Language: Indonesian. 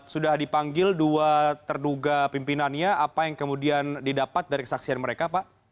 sudah dipanggil dua terduga pimpinannya apa yang kemudian didapat dari kesaksian mereka pak